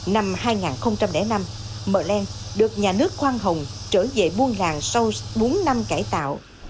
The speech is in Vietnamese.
năm hai nghìn năm merlin được nhà nước khoan hồng trở về buôn làng sau bốn năm cải tạo